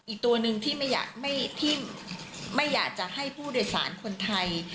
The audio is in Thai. อีกตัวหนึ่งที่ไม่อยากจะให้ผู้โดยสารคนไทย